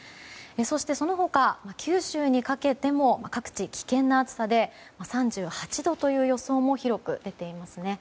そして、その他九州にかけても各地、危険な暑さで３８度という予想も広く出ていますね。